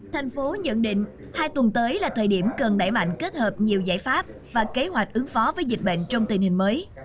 thành phố nhận định hai tuần tới là thời điểm cần đẩy mạnh kết hợp nhiều giải pháp và kế hoạch ứng phó với dịch bệnh trong tình hình mới